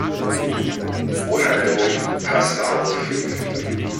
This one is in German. Ronaldo, pass auf!